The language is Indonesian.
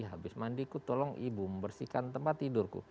habis mandiku tolong ibu membersihkan tempat tidurku